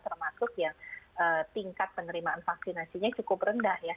termasuk ya tingkat penerimaan vaksinasi nya cukup rendah ya